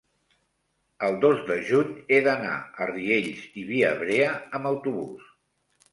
el dos de juny he d'anar a Riells i Viabrea amb autobús.